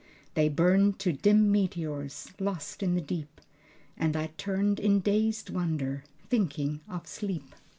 They burned to dim meteors, lost in the deep, And I turned in dazed wonder, thinking of sleep.